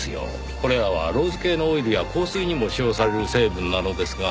これらはローズ系のオイルや香水にも使用される成分なのですが。